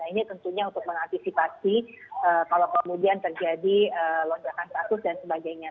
ini tentunya untuk mengantisipasi kalau kemudian terjadi lonjakan kasus dan sebagainya